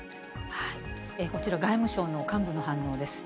こちら、外務省の幹部の反応です。